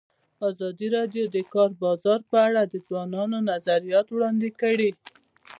ازادي راډیو د د کار بازار په اړه د ځوانانو نظریات وړاندې کړي.